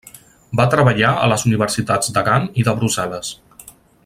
Va treballar a les Universitats de Gant i de Brussel·les.